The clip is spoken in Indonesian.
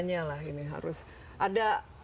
s dua nya lah ini harus ada